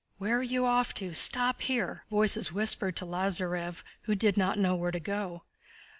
"Where are you off to? Stop here!" voices whispered to Lázarev who did not know where to go.